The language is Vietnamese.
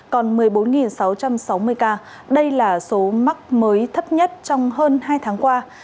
còn một mươi bốn sáu trăm sáu mươi ca đây là số mắc mới thấp nhất trong hơn hai tháng qua